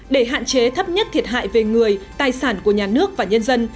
để hạn chế thấp nhất thiệt hại về người tài sản của nhà nước và nhân dân